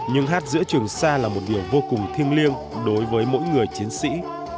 nhưng hát giữa trường sa là một điều vô cùng thiêng liêng đối với mỗi người chiến sĩ